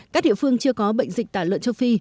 các địa phương chưa có bệnh dịch tả lợn châu phi